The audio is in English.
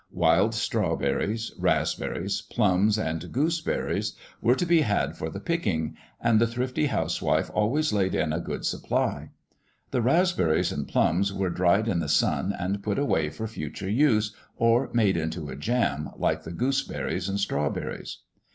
Wild strawberries, raspberries, plums, and gooseberries were to be had for the picking, and the thrifty housewife always laid in a good supply. The raspberries and plums were dried in the sun and put away for future use, or made into a jam, like the gooseberries and strawberries.